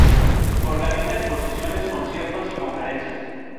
Organiza exposiciones, conciertos y conferencias.